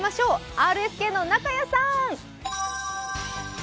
ＲＳＫの中屋さん。